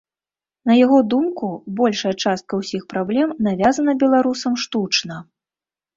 На яго думку, большая частка ўсіх праблем навязана беларусам штучна.